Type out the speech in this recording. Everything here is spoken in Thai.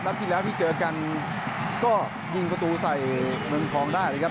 ที่แล้วที่เจอกันก็ยิงประตูใส่เมืองทองได้นะครับ